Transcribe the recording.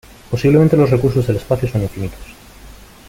Posiblemente los recursos del espacio son infinitos.